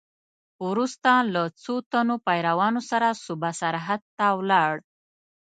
وروسته له څو تنو پیروانو سره صوبه سرحد ته ولاړ.